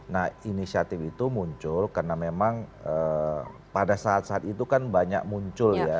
nah inisiatif itu muncul karena memang pada saat saat itu kan banyak muncul ya